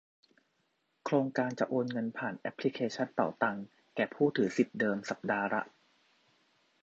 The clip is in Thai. โครงการจะโอนเงินผ่านแอปพลิเคชันเป๋าตังแก่ผู้ถือสิทธิเดิม สัปดาห์ละ